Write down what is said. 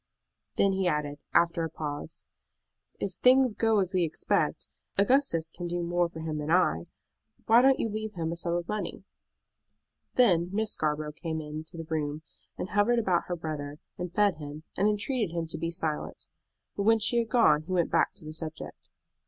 Then he added, after a pause, "If things go as we expect, Augustus can do more for him than I. Why don't you leave him a sum of money?" Then Miss Scarborough came into the room, and hovered about her brother, and fed him, and entreated him to be silent; but when she had gone he went back to the subject.